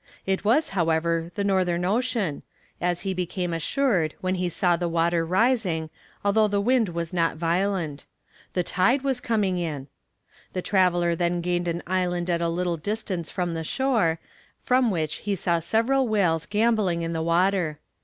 It was, however, the Northern Ocean, as he became assured when he saw the water rising, although the wind was not violent. The tide was coming in! The traveller then gained an island at a little distance from the shore, from which he saw several whales gambolling in the water.